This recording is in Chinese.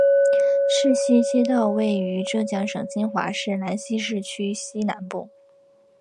赤溪街道位于浙江省金华市兰溪市区西南部。